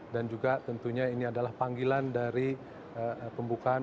dan juga tentunya ini adalah panggilan dari pembukaan